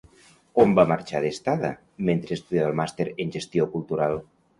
On va marxar d'estada mentre estudiava el Màster en Gestió cultural?